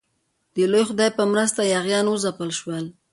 د لوی خدای په مرسته یاغیان وځپل شول.